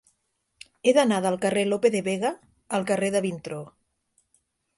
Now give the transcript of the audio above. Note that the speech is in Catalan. He d'anar del carrer de Lope de Vega al carrer de Vintró.